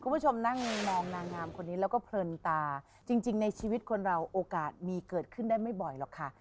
คุณผู้ชมนั่งมองนางงามคนนี้แล้วก็เพลินตาจริงในชีวิตคนเราโอกาสมีเกิดขึ้นได้ไม่บ่อยหรอกค่ะ